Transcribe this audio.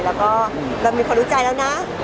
แล้วก็เรามีคนรู้ใจแล้วนะ